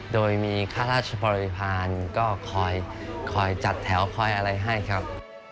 โดยมีข้าราชบริพาณก็คอยจัดแถวคอยอะไรให้ครับ